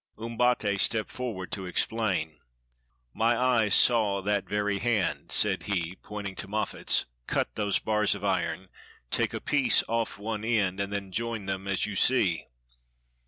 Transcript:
Umbate stepped forward to ex plain. ''My eyes saw that very hand," said he, pointing to Moffat's, "cut those bars of iron, take a piece off one end, and then join them as you see."